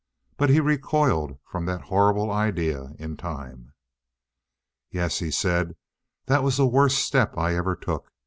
But he recoiled from that horrible idea in time. "Yes," he said, "that was the worst step I ever took.